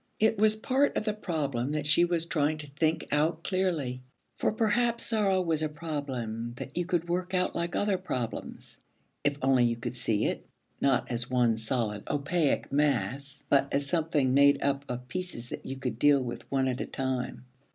It was part of the problem that she was trying to think out clearly. For perhaps sorrow was a problem that you could work out like other problems, if only you could see it, not as one solid, opaque mass, but as something made up of pieces that you could deal with one at a time.